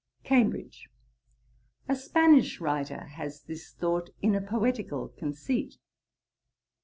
CAMBRIDGE. 'A Spanish writer has this thought in a poetical conceit.